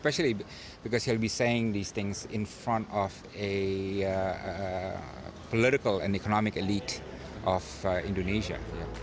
terutama karena dia akan mengatakan hal ini di depan keindahan politik dan ekonomi indonesia